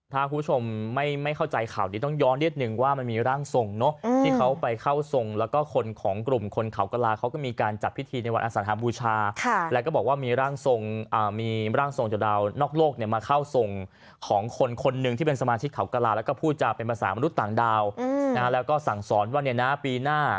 ถ้าคุณผู้ชมไม่เข้าใจข่าวนี้ต้องย้อนนิดนึงว่ามันมีร่างทรงเนอะที่เขาไปเข้าทรงแล้วก็คนของกลุ่มคนเขากระลาเขาก็มีการจัดพิธีในวันอสังหาบูชาแล้วก็บอกว่ามีร่างทรงจากดาวนอกโลกเนี่ยมาเข้าทรงของคนคนหนึ่งที่เป็นสมาชิกเขากระลาแล้วก็พูดจาเป็นภาษามนุษย์ต่างดาวแล้วก็สั่งสอนว่าเนี่ยนะปีหน้า